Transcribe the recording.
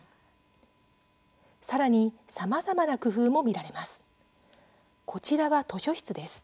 さらにさまざまな工夫も見られます。